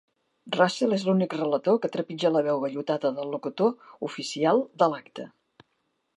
Russell és l'únic relator que trepitja la veu vellutada del locutor oficial de l'acte.